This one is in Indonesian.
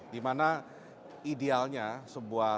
dimana idealnya sebuah